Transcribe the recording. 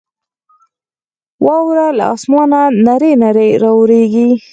واوره له اسمانه نرۍ نرۍ راورېږي.